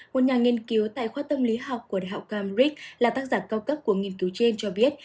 một nhà nghiên cứu tại khoa tâm lý học của đại học cambric là tác giả cao cấp của nghiên cứu trên cho biết